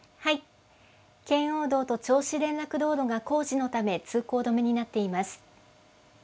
圏央道と銚子連絡道路が工事のため、通行止めになっています。